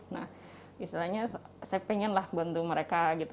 nah istilahnya saya pengenlah bantu mereka gitu